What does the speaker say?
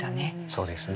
そうですね。